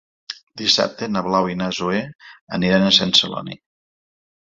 Dissabte na Blau i na Zoè aniran a Sant Celoni.